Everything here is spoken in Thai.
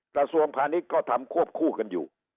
กระทรวงพาณิชย์ก็ทำควบคู่กันอยู่